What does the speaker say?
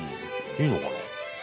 いいのかな？